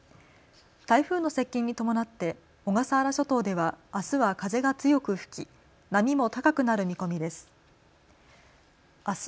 台風の接近に伴って小笠原諸島ではあすは風が強く吹き、波も高くなる見込みです。